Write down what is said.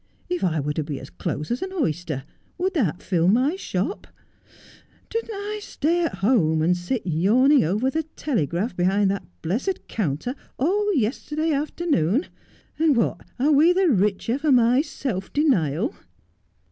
If I were to be as close as an oyster, would that fill my shop ? Didn't I stay at home and sit yawning over the Telegraph behind that blessed counter all yesterday afternoon 1 and what are we the richer for my self denial